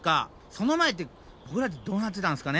その前ってボクらってどうなってたんですかね？